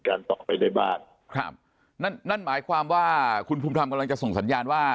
ครับนั่นหมายความว่าคุณพุทรรมก็กลางจะส่งสัญญาณว่า